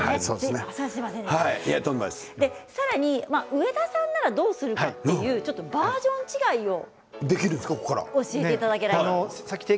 上田さんならどうするかというバージョン違いを教えていただきます。